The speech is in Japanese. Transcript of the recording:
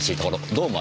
どうも。